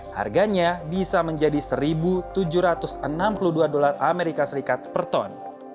harganya bisa menjadi satu tujuh ratus enam puluh dua dolar as per ton